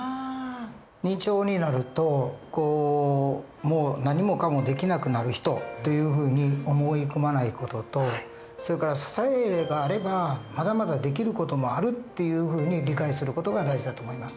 認知症になるともう何もかもできなくなる人というふうに思い込まない事とそれから支えがあればまだまだできる事もあるっていうふうに理解する事が大事だと思います。